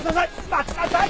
待ちなさい！